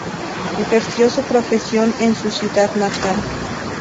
Ejerció su profesión en su ciudad natal.